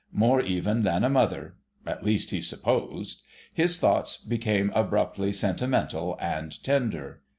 More even than a Mother—at least, he supposed.... His thoughts became abruptly sentimental and tender.